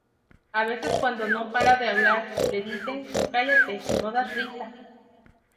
A veces cuando no para de hablar, le dicen: "¡cállate no das risa!".